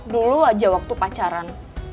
dulu aja waktu pacaran